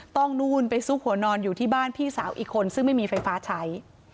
นู่นไปซุกหัวนอนอยู่ที่บ้านพี่สาวอีกคนซึ่งไม่มีไฟฟ้าใช้